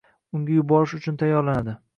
Unga yuborish uchun tayyorlanadi.